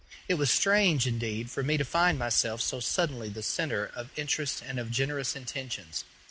It was strange, indeed, for me to find myself so suddenly the centre of interest and of generous intentions.